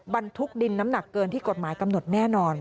บรรทุกดินน้ำหนักเกินที่กฎหมายกำหนดแน่นอน